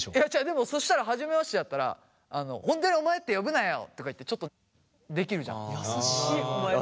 でもそしたら初めましてだったら本当にお前って呼ぶなよとか言ってちょっとできるじゃん。優しいお前何。